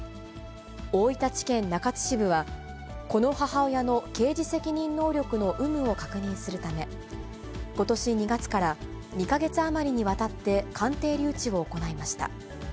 大分地検中津支部は、この母親の刑事責任能力の有無を確認するため、ことし２月から２か月余りにわたって鑑定留置を行いました。